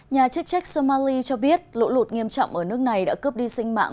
nhà chức trách somali cho biết lũ lụt nghiêm trọng ở nước này đã cướp đi sinh mạng